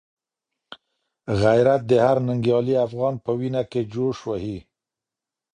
غیرت د هر ننګیالي افغان په وینه کي جوش وهي.